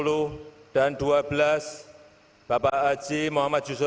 undangan dimohon berdiri